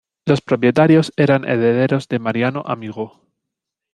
Los propietarios, eran herederos de Mariano Amigó.